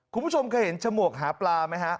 คุณผู้ชมเคยเห็นฉมวกหาปลาไหมฮะ